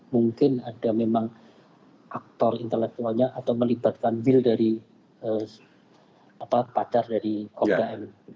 mungkin ada memang aktor intelektualnya atau melibatkan will dari pacar dari kogda m